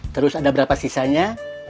terus ada berapa sisanya